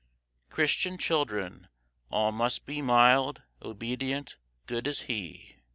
Christian children, all must be Mild, obedient, good as He.